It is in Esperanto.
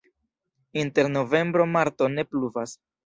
Inter novembro-marto ne pluvas.